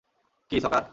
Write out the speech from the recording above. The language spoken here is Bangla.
কী, সকার?